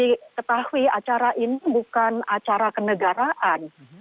untuk mengetahui acara ini bukan acara kenegaraan